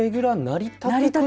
なりたて。